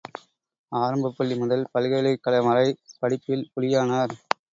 ஆரம்பப்பள்ளி முதல் பல்கலைக்கழகம் வரை படிப்பில் புலியானார்!